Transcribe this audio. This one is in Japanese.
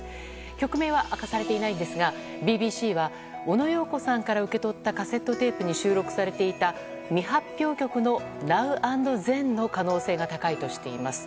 曲名は明かされていませんがＢＢＣはオノ・ヨーコさんから受け取ったカセットテープに収録されていた未発表曲の「ＮｏｗＡｎｄＴｈｅｎ」の可能性が高いとしています。